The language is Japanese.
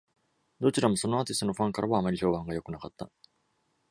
どちらもそのアーティストのファンからはあまり評判が良くなかった。